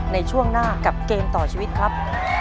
ในช่วงหน้ากับเกมต่อชีวิตครับ